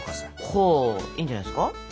ほいいんじゃないですか。